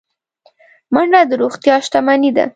منډه د روغتیا شتمني ده